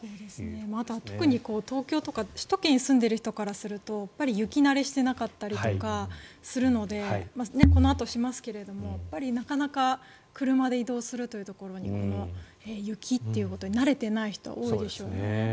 あとは特に東京とか首都圏に住んでいる人からすると雪慣れしていなかったりするのでこのあとしますがなかなか車で移動するところは雪ということに慣れていない人は多いでしょうね。